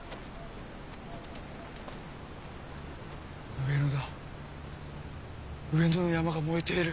上野だ上野の山が燃えている！